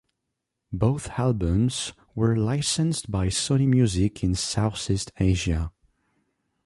Both albums were licensed by Sony Music in South East Asia.